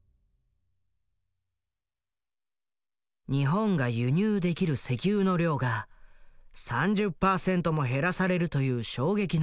日本が輸入できる石油の量が３０％も減らされるという衝撃の記事。